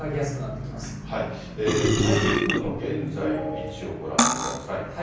台風の現在の位置をご覧ください。